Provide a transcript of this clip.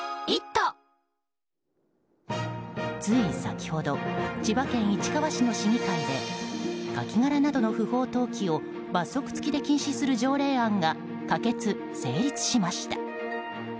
つい先ほど千葉県市川市の市議会でカキ殻などの不法投棄を罰則付きで禁止する条例案が可決・成立しました。